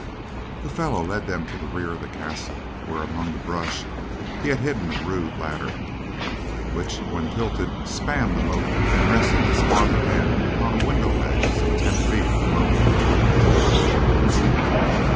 The fellow led them to the rear of the castle, where, among the brush, he had hidden a rude ladder, which, when tilted, spanned the moat and rested its farther end upon a window ledge some ten feet above the ground.